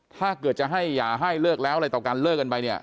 ถ้าเกิดจะให้อย่าให้เลิกแล้วอะไรต่อกันเลิกกันไปเนี่ย